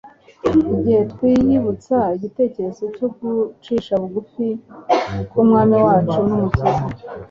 Igihe twiyibutsa igitekerezo cyo gucishwa bugufi k'Umwami wacu n'Umukiza,